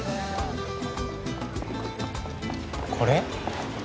これ？